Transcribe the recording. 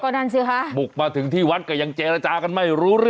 ก็นั่นสิคะ